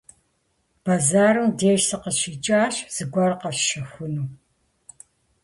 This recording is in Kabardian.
Бэзэрым деж сыкъыщикӀащ, зыгуэр къэсщэхуну.